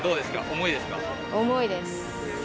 重いですか？